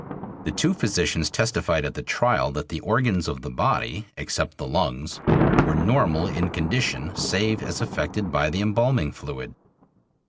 The two physicians testified at the trial that the organs of the body, except the lungs, were normal in condition, save as affected by the embalming fluid.